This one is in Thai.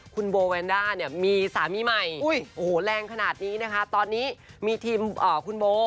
คุณโบแวนด้าเนี่ยมีสามีใหม่โอ้โหแรงขนาดนี้นะคะตอนนี้มีทีมคุณโบ